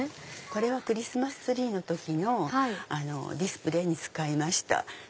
これはクリスマスツリーの時のディスプレーに使いました。